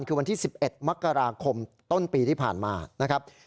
คือวันที่๑๑มกราคมต้นปีที่ผ่านมานะครับ